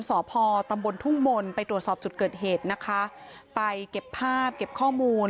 สพตำบลทุ่งมนต์ไปตรวจสอบจุดเกิดเหตุนะคะไปเก็บภาพเก็บข้อมูล